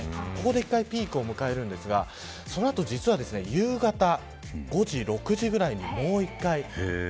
ここで１回ピークを迎えるんですがそのあと実は夕方５時、６時ぐらいにもう１回。